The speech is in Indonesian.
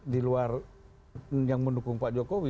di luar yang mendukung pak jokowi